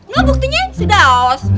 lu buktinya sudah